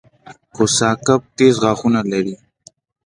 کوسه کب تېز غاښونه لري